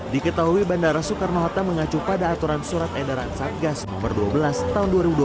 diketahui bandara soekarno hatta mengacu pada aturan surat edaran satgas no dua belas tahun dua ribu dua puluh